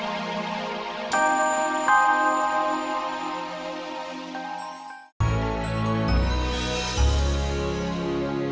nanti aku siman juga